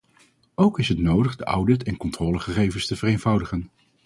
Ook is het nodig de audit- en controleregels te vereenvoudigen.